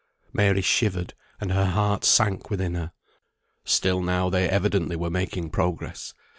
Mary shivered, and her heart sank within her. Still now they evidently were making progress.